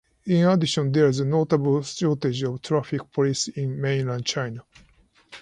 In addition there is a notable shortage of traffic police in mainland China.